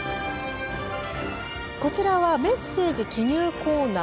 こちらはメッセージ記入コーナー。